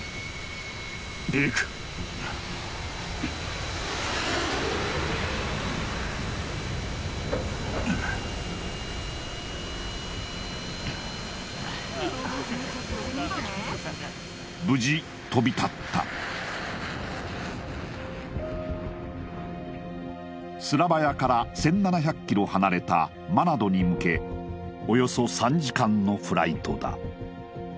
離陸無事飛び立ったスラバヤから１７００ｋｍ離れたマナドに向けおよそ３時間のフライトだ